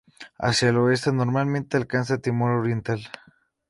Hacia el oeste, normalmente alcanza Timor Oriental.